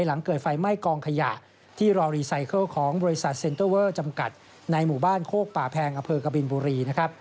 หลังเกิดไฟไหม้กองขยะที่รอรีไซเคิลของบริษัทเซ็นเตอร์เวอร์จำกัดในหมู่บ้านโคกป่าแพงอเภกบินบุรีนะครับ